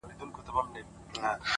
د پوهې مینه ذهن تل ځوان ساتي،